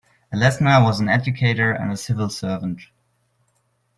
Alesna was an educator and a civil servant.